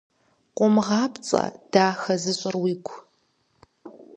Къумыгъапцӏэ дахэ зыщӏыр уигу.